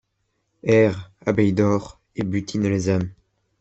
Errent, abeilles d’or, et butinent les âmes